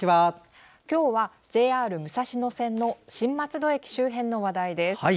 今日はＪＲ武蔵野線の新松戸駅周辺の話題です。